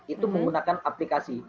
itu menggunakan aplikasi